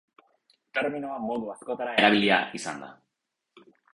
Terminoa modu askotara erabilia izan da.